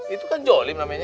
itu kan jolim namanya